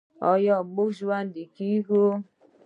آیا موږ ژوندي کیږو؟